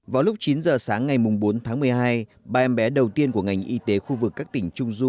vào lúc chín giờ sáng ngày bốn tháng một mươi hai ba em bé đầu tiên của ngành y tế khu vực các tỉnh trung du